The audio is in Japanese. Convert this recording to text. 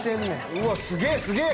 うわすげえすげえ。